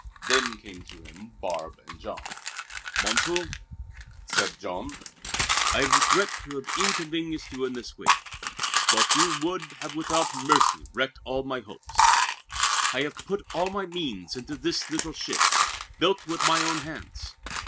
Then came to him Barbe and Jean. "Monsieur," said Jean, "I regret to have inconvenienced you in this way. But you would without mercy have wrecked all my hopes. I have put all my means into this little ship, built with my own hands.